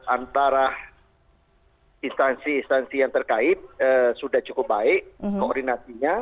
antara instansi instansi yang terkait sudah cukup baik koordinasinya